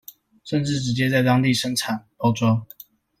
甚至直接在當地生產、包裝